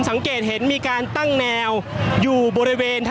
ก็น่าจะมีการเปิดทางให้รถพยาบาลเคลื่อนต่อไปนะครับ